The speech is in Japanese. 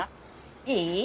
いい？